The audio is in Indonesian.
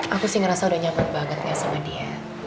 aku sih ngerasa udah nyaman banget ya sama dia